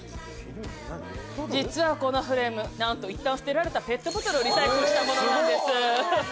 実はこのフレームなんと一旦捨てられたペットボトルをリサイクルしたものなんです！